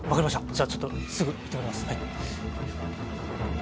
じゃあちょっとすぐ行ってまいりますはい。